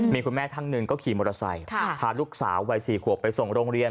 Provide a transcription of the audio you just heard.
มีคุณแม่ท่านหนึ่งก็ขี่มอเตอร์ไซค์พาลูกสาววัย๔ขวบไปส่งโรงเรียน